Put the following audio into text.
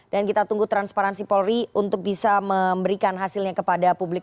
dan kita tunggu transparansi polri untuk bisa memberikan hasilnya kepada publik